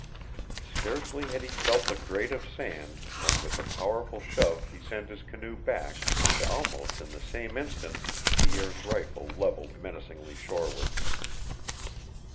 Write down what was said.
Scarcely had he felt the grate of sand when with a powerful shove he sent his canoe back, and almost in the same instant Pierre's rifle leveled menacingly shoreward.